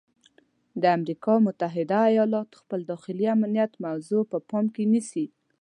د امریکا متحده ایالات خپل داخلي امنیت موضوع په پام کې نیسي.